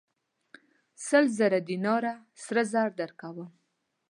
سل زره دیناره سره زر درکوم.